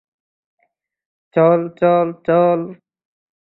চল্ চল্ চল্।